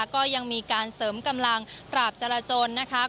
ก็ยังมีการเสริมกำลังปราบจราจนนะคะ